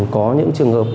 có những trường hợp